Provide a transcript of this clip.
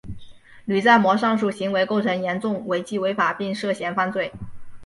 吕在模上述行为构成严重违纪违法并涉嫌犯罪。